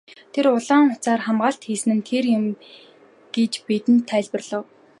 Тэр улаан утсаар хамгаалалт хийсэн нь тэр юм гэж бидэнд тайлбарлав.